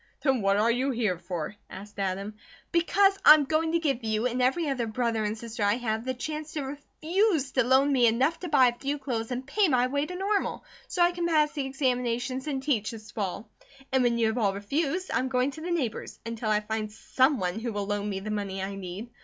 "Then what are you here for?" asked Adam. "Because I am going to give you, and every other brother and sister I have, the chance to REFUSE to loan me enough to buy a few clothes and pay my way to Normal, so I can pass the examinations, and teach this fall. And when you have all refused, I am going to the neighbours, until I find someone who will loan me the money I need.